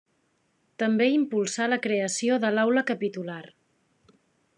També impulsà la creació de l’aula capitular.